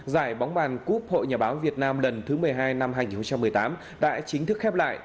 giải bóng bàn cúp hội nhà báo việt nam lần thứ một mươi hai năm hai nghìn một mươi tám đã chính thức khép lại